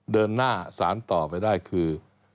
เดินหน้าสารต่อไปได้คือ